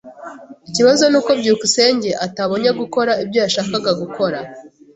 Ikibazo nuko byukusenge atabonye gukora ibyo yashakaga gukora.